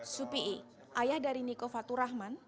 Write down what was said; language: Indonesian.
supi'i ayah dari niko faturahman